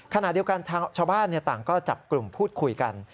ขณะเดียวกันชาวบ้านต่างก็จับกลุ่มพูดคุยกัน